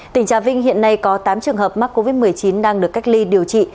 tỉnh trà vinh hiện nay có tám trường hợp mắc covid một mươi chín đang được cách ly điều trị